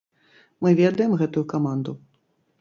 Мы ведаем гэтую каманду.